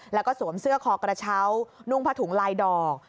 แล้วก็สวมเสื้อคอกระเช้านุ่งผ้าถุงลายดอก